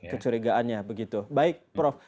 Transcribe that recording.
kecurigaannya begitu baik prof